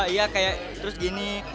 iya kayak terus gini